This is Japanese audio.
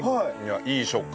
いい食感。